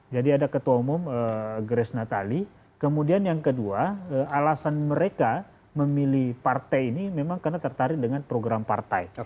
ada ketua umum grace natali kemudian yang kedua alasan mereka memilih partai ini memang karena tertarik dengan program partai